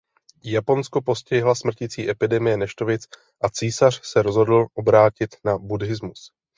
Japonsko postihla smrtící epidemie neštovic a císař se rozhodl obrátit na buddhismus.